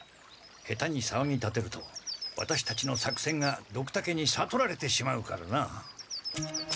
下手にさわぎ立てるとワタシたちの作戦がドクタケにさとられてしまうからな。